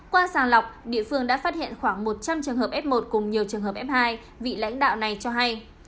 qua sàng lọc địa phương đã phát hiện khoảng một trăm linh trường hợp f một cùng nhiều trường hợp f hai vị lãnh đạo này cho hay